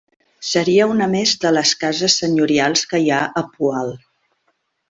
Seria una més de les cases senyorials que hi ha a Poal.